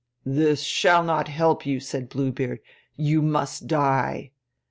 'This shall not help you,' said Blue Beard, 'You must die!'